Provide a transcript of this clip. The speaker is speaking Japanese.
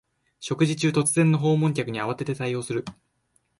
食事中、突然の訪問客に慌てて対応する